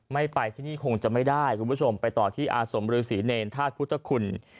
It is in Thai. ไม่ไปที่นี่คงจะไม่ได้คุณผู้ชมไปต่อที่อาสมฤษีเนรธาตุพุทธคุณ